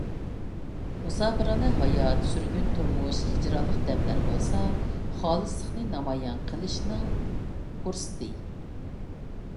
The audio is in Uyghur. مۇساپىرانە ھايات، سۈرگۈن تۇرمۇش، ھىجرانلىق دەملەر بولسا، خالىسلىقنى نامايان قىلىشنىڭ پۇرسىتى.